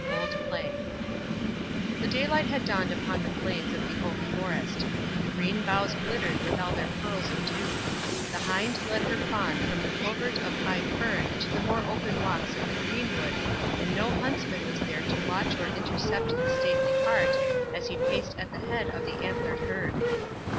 OLD PLAY The daylight had dawned upon the glades of the oak forest. The green boughs glittered with all their pearls of dew. The hind led her fawn from the covert of high fern to the more open walks of the greenwood, and no huntsman was there to watch or intercept the stately hart, as he paced at the head of the antler'd herd.